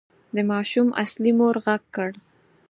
د ماشوم اصلي مور غږ کړ.